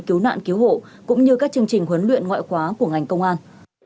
cứu nạn cứu hộ cũng như các chương trình huấn luyện ngoại khóa của ngành công an